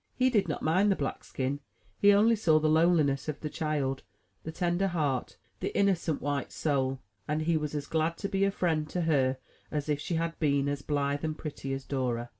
He did not mind the black skin; he only saw the loneliness of the child, the tender heart, the innocent, white soul; and he was as glad to be a friend to her as if she had been as blithe and pretty as Dora.